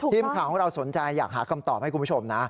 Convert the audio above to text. ทีมข่าวของเราสนใจอยากหาคำตอบให้คุณผู้ชมนะ